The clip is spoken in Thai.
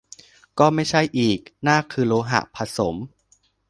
ก็ไม่ใช่อีก นากคือโลหะผสม